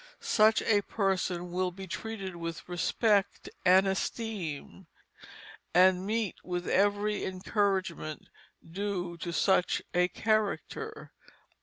Such a person will be treated with respect and esteem, and meet with every encouragement due to such a character."